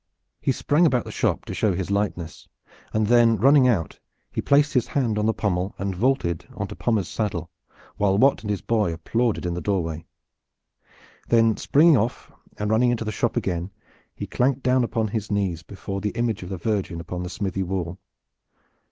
He sprang about the shop to show his lightness, and then running out he placed his hand on the pommel and vaulted into Pommers' saddle, while Wat and his boy applauded in the doorway. Then springing off and running into the shop again he clanked down upon his knees before the image of the Virgin upon the smithy wall.